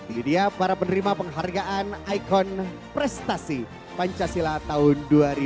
ini dia para penerima penghargaan ikon prestasi pancasila tahun dua ribu dua puluh